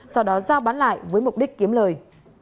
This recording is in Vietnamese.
sau đó giao bán lại với mục đích kiếm lời